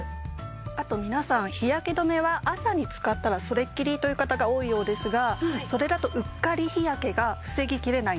あと皆さん日焼け止めは朝に使ったらそれっきりという方が多いようですがそれだとうっかり日焼けが防ぎきれないんです。